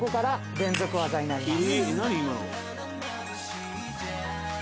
連続技になります。